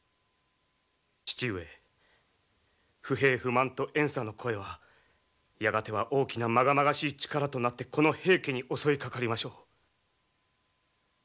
父上不平不満と怨嗟の声はやがては大きなまがまがしい力となってこの平家に襲いかかりましょう。